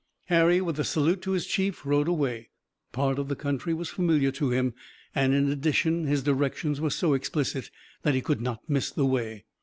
Harry with a salute to his chief rode away. Part of the country was familiar to him and in addition his directions were so explicit that he could not miss the way.